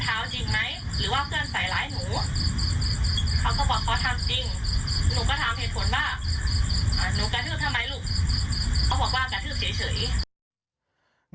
เขาบอกว่ากระทึบเฉย